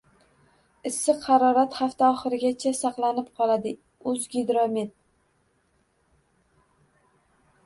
Issiq harorat hafta oxirigacha saqlanib qoladi - «O‘zgidromet»